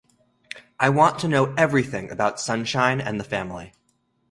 I want to know everything about Sunshine and the family.